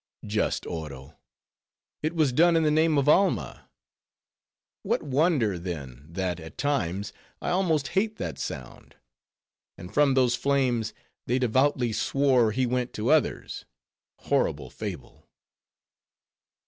Just Oro! it was done in the name of Alma,—what wonder then, that, at times, I almost hate that sound. And from those flames, they devoutly swore he went to others,—horrible fable!"